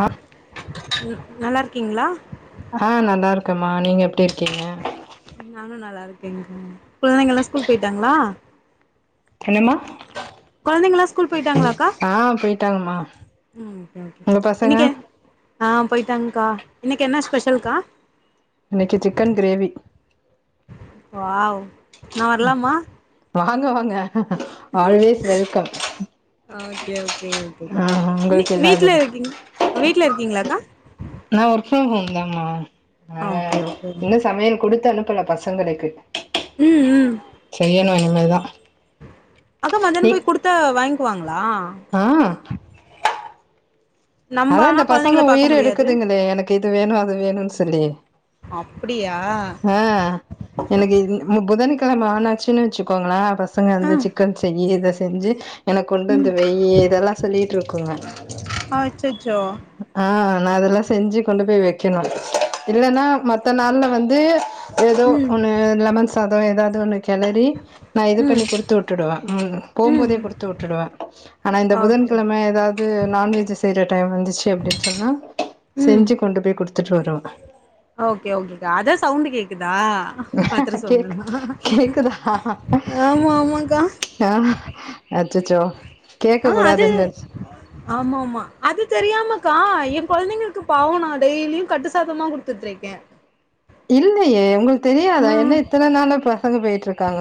ஆ நல்லா இருக்கீங்களா ஆஹ் நல்லா இருக்கமா நீங்க எப்டி இருக்கீங்க நானு நல்லா இருக்கேங்க கொழந்தைங்க எல்லா ஸ்கூல் போயிட்டாங்களா என்னமா கொழந்தைங்களா ஸ்கூல் போயிட்டாங்களாக்கா ஆஹ போய்ட் டாங்கமா ம் ஓகே ஓகேக்கா இன்னைக்கு ஆ போய்டாங்க்கா இன்னைக்கு என்ன ஸ்பெஷல்கா இன்னைக்கு சிக்கன் கிரேவி வாவ் நா வர்லாமா வாங்க வாங்க ஆல்வேஸ் வெல்கம் ஓகே ஓகே ஓகேக்கா ஆ நீ உங்களுக்கு வீட்ல எல்லாதுதா இருக்கீங்க வீட்ல இருக்கீங்களாக்கா நா ஒர்க் ஃப்ரம் ஹோம் தாமா அதனால ஓகே ஓகே இன்னு சமையல் கொடுத்து அனுப்பல பசங்க பசங்களுக்கு உம் செய்யணு இனிமேல் தா அக்கா மத்தியானம் போய் குடுத்தா வாங்கிக்குவாங்களா ஆ நம்ப அதா ஆனா இந்த கொழந்தைங்கள பசங்க பாக்க உயிர முடியாது எடுக்குதுங்களே எனக்கிது வேணு அது வேணுன் சொல்லி அப்டியா ஆ எனக்கு புதன்கிழம ஆனாச்சின்னு வச்சுக்கோங்களே பசங்க ஆ வந்து சிக்கன் செய் இத செய் செஞ்சு எனக்கு ம் கொண்டுந்து வையு இதெல்லா சொல்லிட்டுருக்குங்க ஆ அச்சச்சோ ஆ நா இதெல்லா செஞ்சு கொண்டு போய் வைக்கணும் இல்லன்னா மத்த நால்ல வந்து ஏதோ ம் ஒண்ணு லெமன் சாதோ ஏதாவது ஒண்ணு கெலரி நா இது ம் பண்ணி குடுத்து விட்டுடுவ உம் ம் போம்போதே குடுத்து விட்டுடுவ ஆனா இந்த ஓகே புதன்கிழம ஏதாவது நான்வெஜ் செய்ற டைம் வந்துச்சு அப்டின்னு சொன்னா ம் செஞ்சு கொண்டு போய் குடுத்துட்டு வருவ ஓகே ஓகேக்கா அதா சவுண்டு கேக்குதா பாத்திரம் கேக் சவுண்ட்லா ஆமா ஆமாக்கா ஆஹ் அச்சசோ ஆ அது ஆமாமா அது தெரியாமக்கா என் கொழந்தைங்களுக்கு பாவோ நா டெய்லியும் கட்டுசாதமா குடுத்துட்டு இருக்கே இல்லையே உங்களுக்கு தெரியாதா ம் என்ன இத்தன நாளா பசங்க போயிட்ருக்காங்க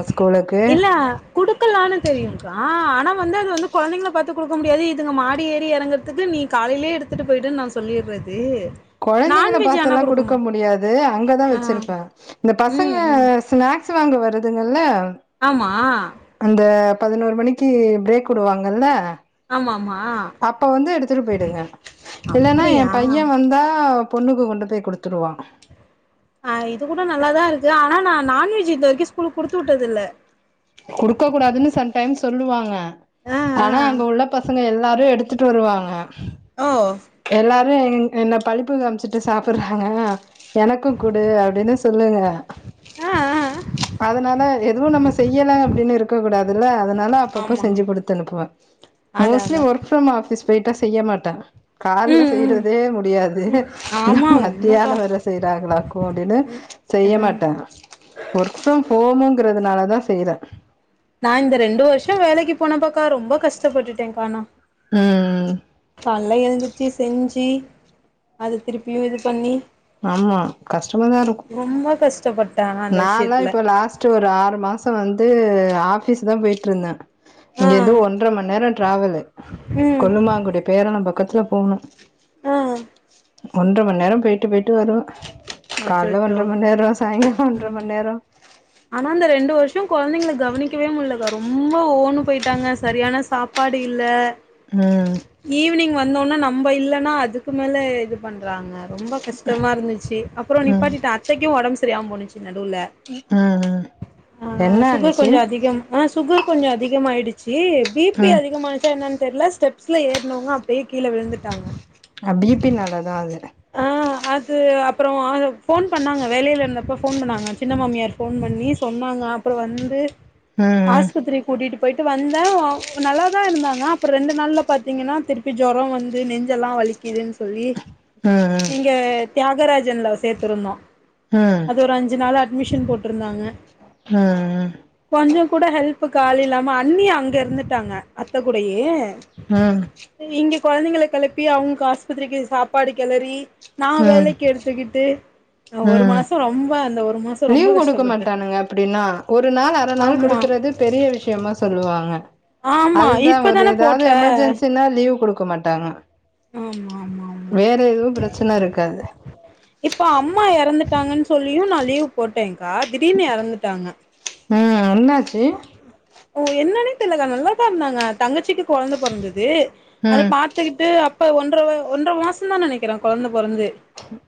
இல்ல குடுக்கலானு தெரியுக்கா ஆனா வந்து அது வந்து கொழந்தைங்கள பாத்து குடுக்க முடியாது இதுங்க மாடி ஏறி எறங்கறதுக்கு நீ காலையிலயே எடுத்துட்டு போய்ட்டன்னு நான் சொல்லிட்றது கொழந்தைங்கள பாத்தெல்லா குடுக்க முடியாது அங்கதா ஆ வெச்சிருப்பே இந்த பசங்க ம் ம் ஸ்நாக்ஸ் வாங்க வருதுங்கல்ல ஆமா அந்த பதினொரு மணிக்கு பிரேக் விடுவாங்கல்ல ஆமாமா அப்ப வந்து எடுத்துட்டு போயிடுங்க இல்லன்னா அப்படியா என் பையன் வந்தா பொண்ணுக்கு கொண்டு போய் குடுத்துருவான் ஆ இது கூட நல்ல தா இருக்கு ஆனா நா நான்வெஜ் இது வரைக்கு ஸ்கூலுக்கு குடுத்து விட்டது இல்ல குடுக்க கூடாதுன்னு சம்டைம்ஸ் சொல்லுவாங்க ஆ ஆனா அங்க ஆ உள்ள பசங்க எல்லாரு எடுத் துட்டு வருவாங்க ஓ எல்லாரு எங் என்ன பளிப்பு காம்ச்சிட்டு சாப்பறாங்க எனக்கும் குடு அப்டின்னு சொல்லுங்க ஆ ஆ அதனால எதுவு நம்ம செய்யல அப்டின்னு இருக்க கூடாது தில்ல அதனால அப்பப்ப ஆமா செஞ்சு குடுத்து அனுப்புவே அதா மோஸ்ட்லி அதா ஒர் க் ஃப்ரம் ஆஃபீஸ் போயிட்டா செய்ய மாட்ட கால்ல ம் ம் செய்யறதே முடியாது ம் இதுல ஆமா உண்மப்பா மதியானம் வேற செய்யறாங்களாக்கோ அப்டின்னு செய்ய மாட்ட ஒர்க் ஃப்ரம் ஹோம்ங்கிறதுனால தா செய்ற நா இந்த ரெண்டு வருஷோ வேலைக்கு போனப்பக்கா ரொம்ப கஷ்டப்பட்டுட்டேக்கா னா ம் கால்ல எழ்ந்திரிச்சி செஞ்சி அத திருப்பியு இது பண்ணி ஆமா கஷ்டமாதா இருக்கு ரொம்ப கஷ்டப்பட்ட ஆனா அந்த நான்லா விஷயத்துல இப்போ லாஸ்ட்டு ஒரு ஆறு மாசோ வந்து ஆஃபிஸ் தா போய்ட்டு இருந்த ஆ இங்க இருந்து ஒன்ர மண் நேரோ ட்ராவலு ம் கொல்லுமாங்குடி பேரணபக் க்கத்துல போனு அ ஒன்ற மண் நேரோ போய்ட்டு போய்ட்டு வருவ கால்ல ஒன்ற மண் நேரோ சாய்ங்கா ம் ஆனா அந்த ரெண்டு வருஷோ கொழந்தைங்கள கவனிக்கவே முடியலக்கா ரொம்ப ஓன்னு போயிட்டாங்க சரியான சாப் பாடு இல்ல ம் ஈவினிங் வந்தோனா நம்ம இல்லன்னா அதுக்கு மேல இது பண்றாங்க ரொம்ப கஷ்டமா இருந்துச்சு அப்பறோ ம் நிப்பாட்டிட்ட அத்தைக்கு ஒடம்பு சரியாம போனுச்சு நடுவுல ம் ம் அதலா என்ன சுகர் ஆனுச்சு கொஞ்ச அதிகம் ஆ சுகர் கொஞ்ச அதிகமாயிடுச்சு பி பி ம் அதிகமா ச என்னன்னு தெர்ல ஸ்டெப்ஸ்ல ஏற்னவங்க அப்டே கீழ விழுந்துட்டாங்க ஆ பி பி நாலா தா அது ஆ அது அப் அப்றோ ஃபோன் பண்ணாங்க வேலையில இருந்தப்ப ஃபோன் பண்ணாங்க சின்ன மாமியார் ஃபோன் பண்ணி சொன்னாங்க அப்பறோ வந்து ம் ஆஸ்பத்திரி கூட்டிட்டு போய்ட்டு வந்த நல்லாதா இருந்தாங்க அப்பறோ ரெண்டு நாள்ல பாத்தீங்கன்னா திருப்பி ஜொரோ வந்து நெஞ்செல்லா வலி கிதுன்னு சொல்லி ம் இங்க தியாகராஜன்ல சேத்திருந்தோ ம் ம் அது ஒரு அஞ் சு நாளா அட்மிஷன் போட்ருந்தாங்க ம் கொஞ்சோ கூட ஹெல்ப்க்கு ஆள் இல்லாம அண்ணி அங்க இருந்துட்டாங்க அத்த கூடயே அ இங்க கொழந்தைங்கள கெளப்பி அவ்ங்கு ஆஸ்பத்திரிக்கு சாப்பாடு கெளறி நா ம் வேலைக்கு எடுத் துக்கிட்டு ஒரு ம் ம் மாசோ ரொம்ப அந்த ஒரு மாசோ ரொம்ப லீவ் குடுக்க கஷ்டப்பட்டே மாட்டானுங்க அப்டின்னா ஒரு நாள் அர நாள் ஆமா குடுக்குற து பெரிய விஷயமா சொல்லுவாங்க ஆமா அதுதா ஒரு இப்பதான எதாவது போட்ட எமர்ஜென்சினா லீவ் குடுக்க மாட்டாங்க ஆமா ஆமா ஆமா வேற எதும் பிரச்சன இருக்காது இப்ப அம்மா எறந்துட்டாங்கன்னு சொல்லியு நா லீவ் போட்டேன்கா திடீர்னு எறந்துட்டாங்க அ அன்னாச்சி ஓ என்னன்னே தெரிலகா நல்லாதா இருந்தாங்க தங்கச்சிக்கு கொழந்த பொறந்தது அத ம் பாத்துக்கிட் அப்ப ஒன்ற ஒன்ற மாசந்தா நெனைக்கிறே கொழந்த பொறந்து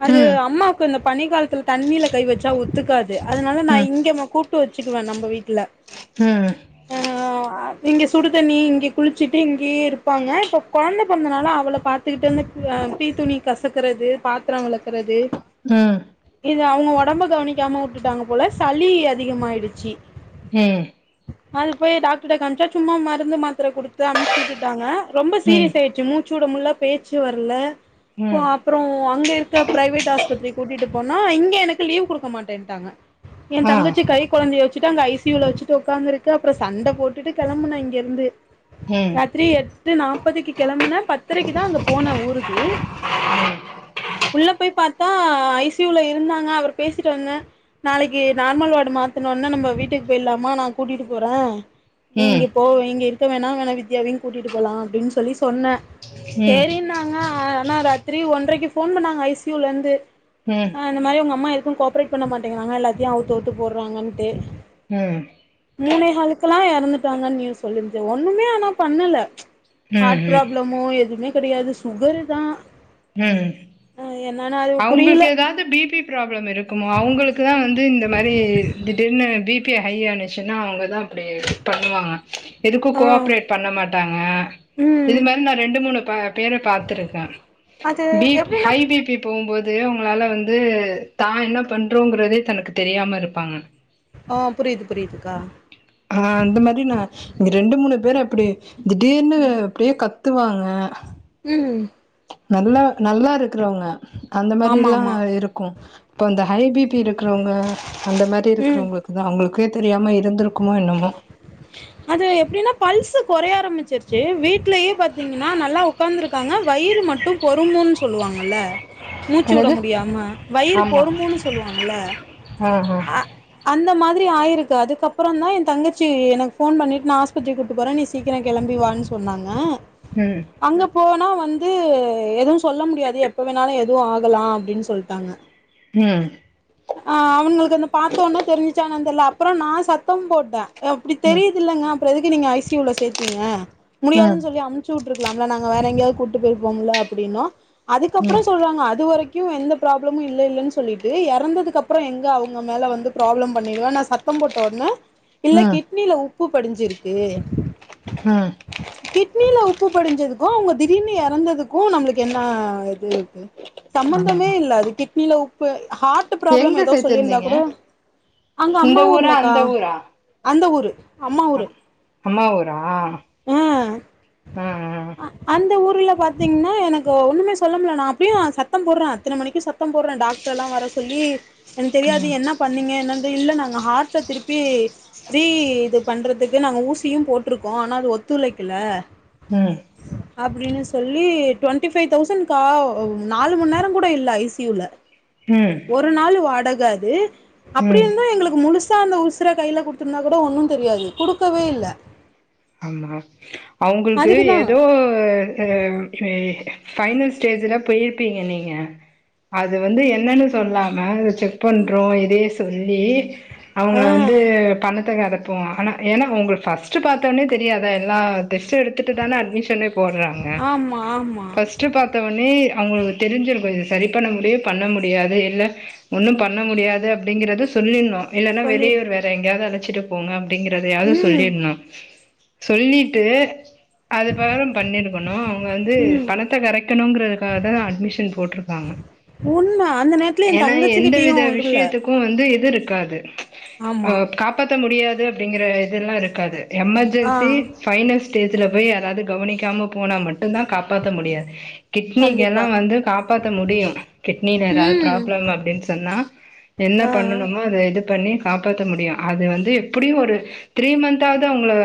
அது ம் அம்மா ப்ப இந்த பனிக்காலத்தில தண்ணில கை வச்சா ஒத்துக்காது அதனால நா ம் இங்க கூப் ட்டு வச்சுக்குவே நம்ம வீட்ல ம் ஆ இங்க சுடுதண்ணி இங்க குளிச்சிட்டு இங்கேயே இருப்பாங்க இப்ப கொழந்த பொறந்தனால அவள பாத் பாத்துகிட்டோ எனக்கு அ பீ துணி கசக்குறது பாத்ரோ வெளக்குறது ம் இது அவுங்க ஒடம்ப கவனிக்காம உட்டுட்டாங்க போல சளி அதிகமாயிடுச்சி ம் அதுக்கு போய் டாக்டர்ட காமிச்சா சும்மா மருந்து மாத்திர குடுத்து அம்ச்சு வுட்டுட்டாங்க ரொம்ப ம் சீரியஸ் ஆயிட்ச்சு மூச்சு வுட முல்ல பேச்சு வரல ஓ அப் ம் அப்றோ அங்க இருக்குற பிரைவேட் ஆஸ்பத்திரி கூட்டிட்டு போனா இங்க எனக்கு லீவ் குடுக்க மாட்டேன்டாங்க எ ஆ தங்கச்சி கை கொழந்தைய வச்சுட்டு அங்க ஐ சி யுல வச்சுட் டு ஒக்காந்துருக்கு அப்றோ சண்ட போட்டுட்டு கெளம்புனே இங்க இருந்து ம் த்ரி எட்டு நாப்பதுக்கு கெளம்புனே பத்தரைக்குதா அங்க போனே ஊருக்கு உள்ள போய் பாத்தா ஐ சி யுல இருந்தாங்க அவர் பேசிட்டு வந்தே நாளைக்கு நார்மல் வார்டுக்கு மாத்துனொன்ன நம்ம வீட்டுக்கு போயிட்லா அம்மா நா கூட்டிட்டு போறே நீ ம் இங்க ம் போ இங்க இரு இப்ப வேணா வேணா வித்யாவையு கூட்டிட்டு போலா அப்டின் சொல்லி சொன்னே ம் சேரி நா ஆனா ஆனா ராத்திரி ஒன்றைக்கு போன் பண்ணாங்க ஐ சி யுல இந்து ம் ஆ இந்த மாரி உங்க அம்மா எதுக்கு கோப்ரேட் பண்ண மாட்டேங்குறாங்க எல்லாத்தயு அவுத்தவுத்து போட்றாங்கன்ட்டு ம் மூணே காலுக்கெல்லா எறந்துட்டாங்கன் நியூஸ் சொல்லிர்ந்து ஒன்னுமே ஆனா பண்ணல ஹார்ட் ம் ப்ராப்ளம் மு எதுவுமே கெடயாது சுகரு தா ம் அ என்னண்ணா இது அவுங்ளுக்கு ஏதாது பி பி ப்ராப்ளம் இருக்குமோ அவங்களுக்குதா வந்து இந்த மாரி திடீர்னு பி பி ஹய்யா இருந்துச்சுன்னா அவங்கதா அப்டியே பண்ணுவாங்க எதுக்கு கோ ஆ ஆப்ரேட் பண்ண மாட்டாங்க இது ம் மாரி நா ரெண்டு மூணு ப பேர பாத்திருக்கே அது பிப் எப்டின்னா ஹை பி பி தூங்குபோம்போது அவங்களால வந்து தா என்ன பண்றோங்குறதே தனக்கு தெரியாம இருப்பாங்க ஆ புரிது புரிதுக்கா ஆ அந்த மாரி நா இங்க ரெண்டு மூணு பேரு அப்டி திடீர்னு அப்டே கத்துவாங்க ம் நல்லா நல்லா இருக்குறவங்க அந்த ஆமா மாரில்லா ஆமா இருக்கு இப்போ அந்த ஹை பி பி இருக்குறவங்க அந்த மாரி ம் இருக்குறவங்க அது அவுங்களுக்கே தெரியாம இருந்திருக்குமோ என்னமோ அது எப்டின்னா பல்ஸ் கொறைய ஆரம்பிச்சிருச்சு வீட்லயே பாத்தீங்கன்னா நல்லா உ உக்காந்துருக்காங்க வயிறு மட்டு பொறுமுன் சொல்லுவாங்கள்ல மூச்சு விட என்னது முடியாம வயிறு பொறுமுன் சொல்லுவாங்கல ஆஹா அந்த மாதிரி ஆயிருக்கு அதுக்கப்புறந்தா எ தங்கச்சி எனக்கு ஃபோன் பண்ணிட் நா ஹாஸ் பத்திரி கூப்ட்டு போறே நீ சீக்கிரோ கிெளம்பிவான் சொன்னாங்க ம் அங்க போனா வந்து எதுவு சொல்ல முடியாது எப்ப வேணாலு எதுவு ஆகலா அப்டின் சொல்ட்டாங்க ம் ஆ அவனுங்களுக்கு அது பாத்த உட்னே தெரிஞ்சுச்சா என்னன் தெர்ல அப்புறோ நா சத்தம் போட்டே அப்டி ம் ம் தெரியுதில்லங்க அப்றோ எதுக்கு நீங்க ஐ சி யூல சேத்தீங்க முடியாதுன் ம் சொல்லி அமிச் சி விட்ருக்கலாம் இல்ல நாங்க வேற எங்கயாவது கூட்டு போயிருப்போம்ல அப்படின்னோ அதுக்கப்றோ சொல்றாங்க அது வரைக் கு எந்த ப்ராப்ளமு இல்ல இல்லன் சொல்லிட்டு எறந்த எறந்ததுக்கு அப்புறோ எங்க அவுங்க மேல வந்து ப்ராப்ளம் பண்ணிடுவே நான் சத்தம் போட்ட உட்னே இல்ல கிட் ம் கிட்னில உப்பு படிஞ்சிருக்கு ம் கிட்னில உப்பு படிஞ்சதுக்கு அவுங்கோ திடீர்னு எறந்ததுக்கு நம்மளுக்கு என்ன இது இருக்கு ஆமா சம்பந்தமே இல்ல அது கிட்னில உப்பு ஹார் ட் ப்ராப்ளம் எங்க எதோ சொல்லியிருந்தா சேத்திருந்தீங்க கூட அங்க இந்த அம்மா ஊரா ஊர்லக்கா அந்த ஊரா அந்த ஊரு அம்மா ஊரு அ- அம்மா ஊரா ஆ ம்ம் அந்த ஊர்ல பாத்தீங்கன்னா எனக்கு ஒண்ணுமே சொல்ல முல்ல நா அப்டியே சத்தோ போடுறே அத்தன மணிக்கு சத்த சத்தோ போடுறே டாக்டர் எல்லா வர சொல்லி எனக்கு தெரியாது ம் என்ன பண்ணீங்க என்னன்ற இல்ல நாங்க ஹார்ட்ட திருப்பி ரீ இது பண்றதுக்கு நாங்க ஊசியு போட்ருக்கோ ஆனா அது ஒத்துழைக்கல ம் அப்டின்னு சொல்லி ட்வெண்ட்டி ஃபைவ் தௌசண்ட்க்கா நாலு மண் நேரோ கூட இல்ல ஐ சி யுல [unintelligible] ம் ஒரு நாள் வாடக அது ம் அப்டி ம் இருந்து எங்களுக்கு முழுச சா அந்த உசுர கையில குடுத்திரிந்தா கூட ஒன்னு தெரியாது குடுக்கவே இல்ல ஆமா அவூங்களுக்கு அதுக்குதா ஏதோ சேரி ஃபைனல் ஸ்டேஜ்ல போயிருப்பீங்க நீங்க அது வந்து என்னன்னு சொல்லாம செக் பண்றோ இதயே சொல்லி ஆ அவுங்க வந்து பணத்த கறக் போ ஏனா உங்களுக்கு ஃபர்ஸ்ட் பாத்த ஒன்னே தெரியாத எல்லா டெஸ்ட் எடுத் த்ட்டு தானே அட்மிஷனே போடுறாங்க ஆமா ஆமா ஃபர்ஸ்ட் வெச்சு பாத்தவொன்னே அவுங்களுக்கு தெரிஞ்சிருக்கு இது சரி பண்ண முடியு பண்ண முடியாது இல்ல ஒன்னு பண்ண முடியாது அப்டிங்கிறத சொல்லின்ணு இல்லன்னா வெளியூர் சொல்லிருக்கே வேற எங்கயாவுது அழைச்சிட்டு போங்க அப்பங்காறதையாவுது ம் சொல்லிற்ணு சொல்லிட்டு அது [unintelligible] பண்ணிருக்கணு அவுங்க வந்து ம் பணத்த கரக்கணுங்கிறதுக்காக தா அட்மிஷன் போட்டுருக்காங்க உண்ம அந்த நேர்த் ஏன்னா எந்த வித விஷயத்துக்கு இப்ப வந்து இது இருக்காது ஆமா காப்பாத்த முடியாது அப்டிங்கிற இதெல்லா இருக்காது ஆ எமர்ஜென்சி ஃபைனல் ஸ்டேஜ்ல போய் யாராது கவனிக்காம போனா மட்டுந் தா காப்பாத்த முடியாது கிட்னிக்கு எல்லா கண்டிப்பா வந்து காப்பாத்த முடியு கிட்னில எதா ம் ப்ராப்ளம் அப்டின்னு சொன்னா என்ன ஆ பண்ணனுமோ அத இது பண்ணி காப்பாத்த முடியு அது வந்து எப்புடியு ஒரு த்ரீ மந்த்தாவது அவுங்கள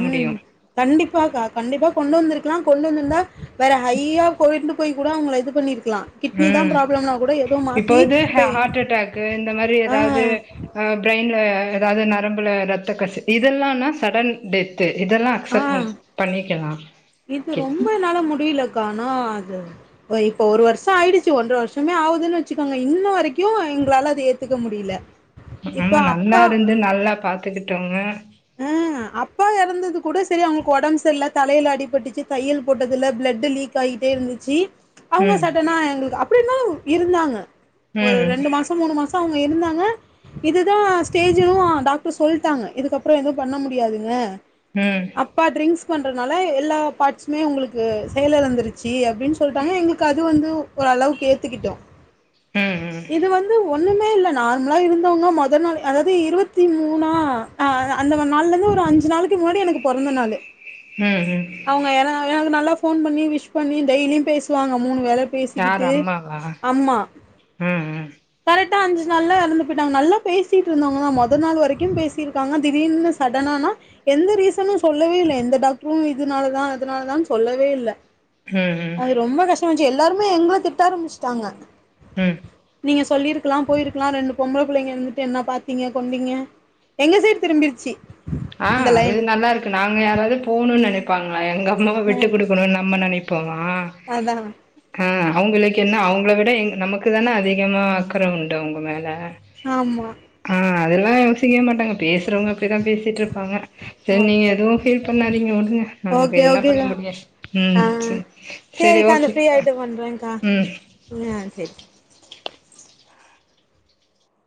ம் கண்டிப்பாக்கா கண்டிப்பா கொண்டு வந்திருக்குலா கொண்டு வந்திருந்தா வேற ஹையா கோய்ண்டு போய் கூட அவூங்கள இது பண்ணிருக்கலா கிட்னி தா ம் ப்ராப்ளம்னா கூட ஏதோ மாத்தி இப்போது ஹ இப்ப ஹார்ட் அட்டாக்கு இந்த மாரி ஆ எதாவுது அ பிரெயின்ல எதாவூது நரம்புல ரத்த கசிவு இதெல்லானா சடன் டெத்து இதெல்லா ஆ சப்பன் பண்ணிக்கலா இது ரொம்ப கிட்னி என்னால முடில கானோ அது இப்ப ஒரு வருஷோ ஆயிடுச்சு ஒன்ற வருஷமே ஆவுதுன்னு வச்சுக்கோங்க இன்ன வரிக்கு எங்களால அது ஏத் துக்க முடில ஆமா நல்லா இருந்து நல்லா பாத்துக்கிட்டவங்க ம் அப்பா அப்பா எறந்தது கூட சரி அவுங்களுக்கு ஒடம்ப சரியல்ல தலையையில அடிபட்டுச்சு தையல் போட்டதுல பிளட் லீக் ஆகிட்டே இருந்துச்சு அவுங்க ம் சடனா எங்களுக்கு அப்டின்னு தா இருந்தாங்க ம் ஒரு ம் ரெண்டு மாசோ அப்ப மூனு மாசொ அவுங்க இருந்தாங்க இதுதா ஸ்டேஜு டாக்ட்ரு சொல்ட்டாங்க இதுக்கப் ப்றோ எதுவு பண்ண முடியாதுங்க ம் அப்பா ட்ரிங்ஸ் பண்றதுனால எல்லா பாட்ஸுமே உங்களுக்கு செயல் எழந்துருச்சி அப்டின் சொல்ட்டாங்க எங்களுக்கு அது வந்து ஒரு அளவுக்கு ஏத்துக்கிட்டோ ம் ம் இது வந்து ஒன்னுமே இல்ல நார்மலா இருந்தவுங்க மோத நாள் அதாவ்து இருபத்தி மூனா அ அதா அந்த நாள்ல இர்ந்து ஒரு அஞ்சு நாளுக்கு முன்னாடி எனக்கு பொறந்த நாளு ம் ம் அவுங்க என எனக்கு நல்லா ஃபோன் பண்ணி விஷ் பண்ணி டெய்லியு பேசுவாங்க மூனு வேல யார் பேசிக்கிட்டு அம்மாவா அம்மா ம் ம் கரெட்டா அஞ்சு நாள்ல எறந்து பொயிட்டாங்க நல்லா பேசிட்டு இருந்தவுங்க தா மொத நாள் வரைக்கு பேசிருக்காங்க திடீர்னு சடனானா எந்த ரீசனு சொல்லவே இல்ல எந்த டாக்ட்ரு இதனாலதா அதனால தான் சொல்லவே இல்ல ம் ம் அது ரொம்ப கஷ்டமா இஞ்ச்சு எல்லாருமே எங்கள திட்ட ஆரம்பிச்ட்டாங்க ம் நீங்க சொல்லிருக்கலா போயிருக்கலா ரெண்டு பொம்பள புள்ளைங்க இருந்துட்டு என்ன பாத்தீங்க கொண்டீங்க எங்க சைட் திரும்பிருச்சி ஆ இது நல்லா இருக்கு நாங்க யாராவது போணுன் நெனைப்பாங்ளா எங்க அம்மாவ விட்டு அ குடு [unintelligible] நம்ம நெனைப்போமா அதா அ அவுங்களுக் என்ன அவுங்கள விட எங் நமக்கு தான அதிகமா அக்கற உண்டு அவுங்க மேல ஆமா அ அதெல்லா யோசிக்கவே மாட்டாங்க பேச் சுரவுங்க அப்டிதா பேசி சிட்ருப்பாங்க செரி நீங்க ஓகே எதுவு ஃபீல் பண்ணாதீங்க உடுங்க நம்ம வேற ஓகே என்னா பண்ண ஓகேக்கா முடியு ம் ஆ செர் சேரிக்கா அந்த ஃப்ரீ ஆயிட்டு பண்றேங்கா ம் ஆ செரி